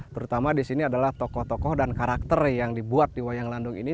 terutama di sini adalah tokoh tokoh dan karakter yang dibuat di wayang landung ini